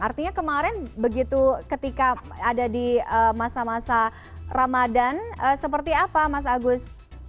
artinya kemarin begitu ketika ada di masa masa ramadan seperti apa mas agus